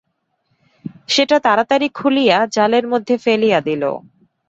সেটা তাড়াতাড়ি খুলিয়া জলের মধ্যে ফেলিয়া দিল।